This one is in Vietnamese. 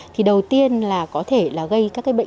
thì đầu tiên là có thể là gây các cái bệnh